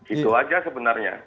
itu saja sebenarnya